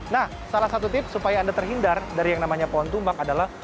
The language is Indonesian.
nah salah satu tips supaya anda terhindar dari yang namanya pohon tumbang adalah